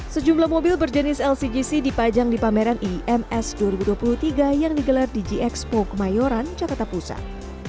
sejumlah mobil berjenis lcgc dipajang di pameran ims dua ribu dua puluh tiga yang digelar di g expo kemayoran jakarta pusat